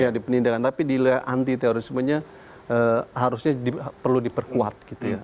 ya di penindakan tapi di wilayah anti teorisme nya harusnya perlu diperkuat gitu ya